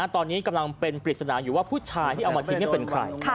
ตอนนี้กำลังเป็นปริศนาอยู่ว่าผู้ชายที่เอามาทิ้งเป็นใคร